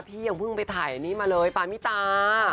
ยังเพิ่งไปถ่ายอันนี้มาเลยปามิตา